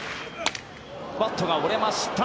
バットが折れました。